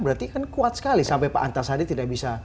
berarti kan kuat sekali sampai pak antasari tidak bisa